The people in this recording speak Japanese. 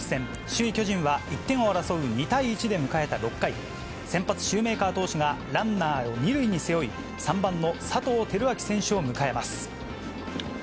首位巨人は１点を争う２対１で迎えた６回、先発、シューメーカー投手がランナーを２塁に背負い、３番の佐藤輝明選手を迎えます。